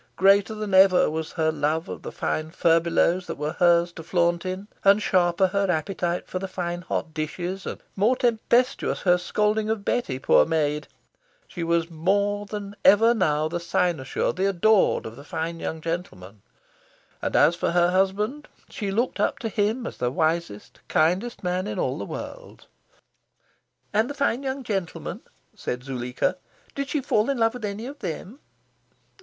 Greater than ever was her love of the fine furbelows that were hers to flaunt in, and sharper her appetite for the fine hot dishes, and more tempestuous her scolding of Betty, poor maid. She was more than ever now the cynosure, the adored, of the fine young gentlemen. And as for her husband, she looked up to him as the wisest, kindest man in all the world." "And the fine young gentlemen," said Zuleika, "did she fall in love with any of them?"